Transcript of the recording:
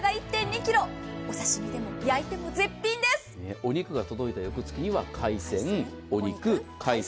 お肉が届いた翌月には次は海鮮、お肉、海鮮。